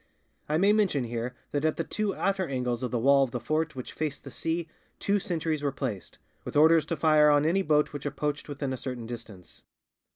I may mention here that at the two outer angles of the wall of the fort which faced the sea two sentries were placed, with orders to fire on any boat which approached within a certain distance.